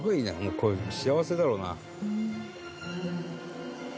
こういうの幸せだろうな」